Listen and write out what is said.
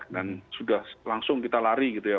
dan sudah langsung kita lari gitu ya